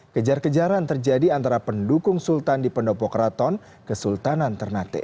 kejar kejaran terjadi antara pendukung sultan di pendopo keraton kesultanan ternate